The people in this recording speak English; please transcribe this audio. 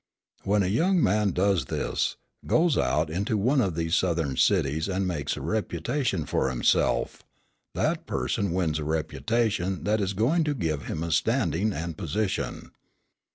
When a young man does this, goes out into one of these Southern cities and makes a reputation for himself, that person wins a reputation that is going to give him a standing and position.